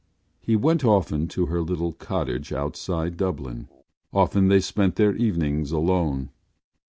He went often to her little cottage outside Dublin; often they spent their evenings alone.